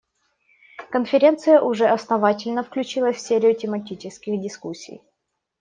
Конференция уже основательно включилась в серию тематических дискуссий.